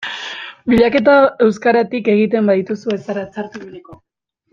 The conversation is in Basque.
Bilaketak euskaratik egiten badituzu ez zara txarto ibiliko.